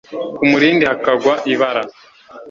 kumulindi hakagwa ibara